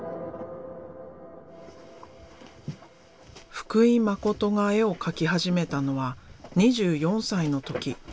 福井誠が絵を描き始めたのは２４歳の時。